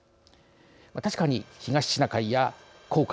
確かに、東シナ海や黄海